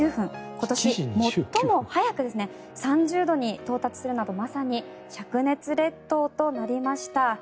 今年最も早く３０度に到達するなどまさにしゃく熱列島となりました。